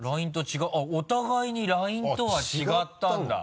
お互いにＬＩＮＥとは違ったんだ。